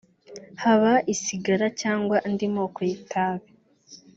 haba isigara cyangwa andi moko y’itabi